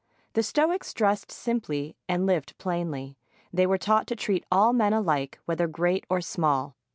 The stoics dressed simply and lived plainly. They were taught to treat all men alike, whether great or small.